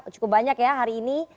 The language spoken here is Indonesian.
cukup banyak ya hari ini